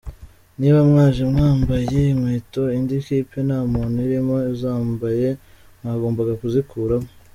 Niba mwaje mwambaye inkweto, indi kipe nta muntu urimo uzambaye mwagombaga kuzikuramo.